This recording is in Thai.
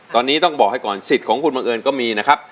ตอนนี้ต้องบอกให้ก่อนสิทธิ์ของคุณบังเอิญก็มีนะครับ